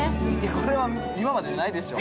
これは今までにないでしょ。